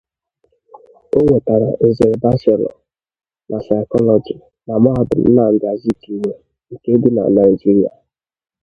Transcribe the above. O nwetara nzere bachelọ na Psychology, na Mahadum Nnamdi Azikiwe nke dị na Naịjirịa.